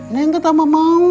neng ketama mau